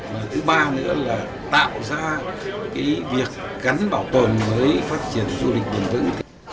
và thứ ba nữa là tạo ra cái việc gắn bảo tồn mới phát triển du lịch bình thường